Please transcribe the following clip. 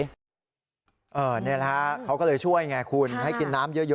นี่แหละฮะเขาก็เลยช่วยไงคุณให้กินน้ำเยอะ